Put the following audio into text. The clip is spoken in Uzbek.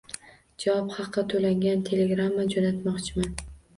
Javob haqi to’langan telegramma jo'natmoqchiman